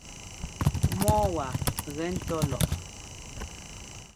Mɔ́ɔ waa gɛ́ ńtɔ́ lɔʼɔ.